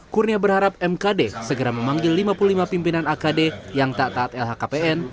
kurnia berharap mkd segera memanggil lima puluh lima pimpinan akd yang tak taat lhkpn